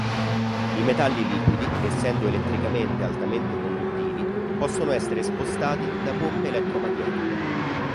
I metalli liquidi, essendo elettricamente altamente conduttivi, possono essere spostati da pompe elettromagnetiche.